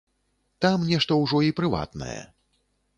Там нешта ўжо і прыватнае.